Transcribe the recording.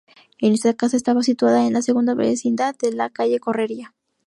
Esta casa estaba situada en la segunda vecindad de la calle Correría.